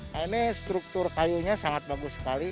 nah ini struktur kayunya sangat bagus sekali